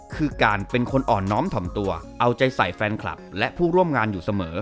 คือการเป็นคนอ่อนน้อมถ่อมตัวเอาใจใส่แฟนคลับและผู้ร่วมงานอยู่เสมอ